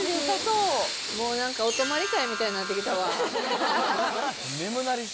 もうなんか、お泊り会みたいになってきたわ。